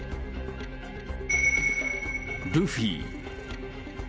ルフィ。